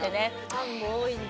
ファンも多いんだ。